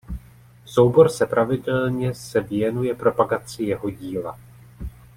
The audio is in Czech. Soubor se pravidelně se věnuje propagaci jeho díla.